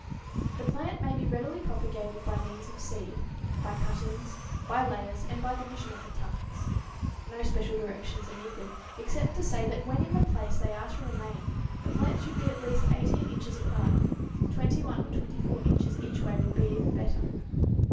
_ The plant may be readily propagated by means of seed, by cuttings, by layers, and by division of the tufts. No special directions are needed, except to say that when in the place they are to remain the plants should be at least 18 inches apart 21 or 24 inches each way would be even better.